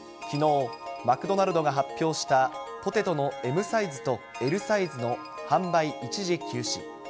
きのう、マクドナルドが発表した、ポテトのＭサイズとＬサイズの販売一時休止。